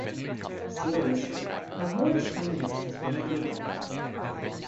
Seriously, the whole experience has been a delight.